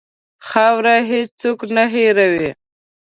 خاوره هېڅ څوک نه هېروي.